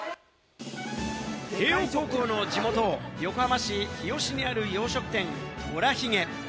慶應高校の地元・横浜市日吉にある洋食店・とらひげ。